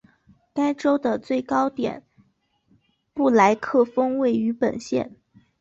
该州的最高点布莱克峰位于本县。